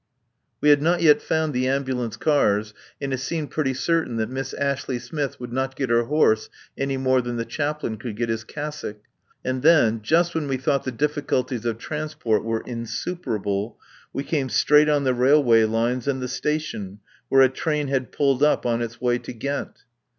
We had not yet found the ambulance cars, and it seemed pretty certain that Miss Ashley Smith would not get her horse any more than the Chaplain could get his cassock. And then, just when we thought the difficulties of transport were insuperable, we came straight on the railway lines and the station, where a train had pulled up on its way to Ghent.